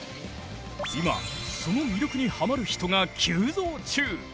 今その魅力にハマる人が急増中！